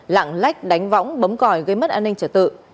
lạng lách đánh võng bấm còi gây mất an ninh trật tự